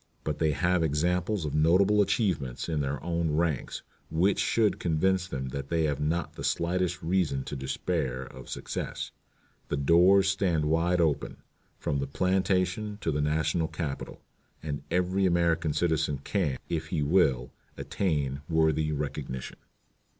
But they have examples of notable achievements in their own ranks which should convince them that they have not the slightest reason to despair of success. The doors stand wide open, from the plantation to the National Capitol, and every American citizen can, if he will, attain worthy recognition."